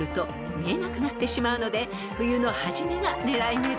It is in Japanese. ［冬のはじめが狙い目です］